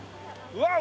うわっ！